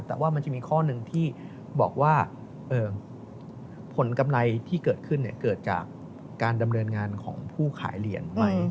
แต่ว่ามันจะมีข้อหนึ่งที่บอกว่าผลกำไรที่เกิดขึ้นเกิดจากการดำเนินงานของผู้ขายเหรียญไหม